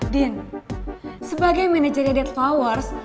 din sebagai manajernya dead flowers